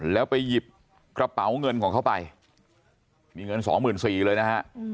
แล้วไปหยิบกระเป๋าเงินของเขาไปมีเงินสองหมื่นสี่เลยนะฮะ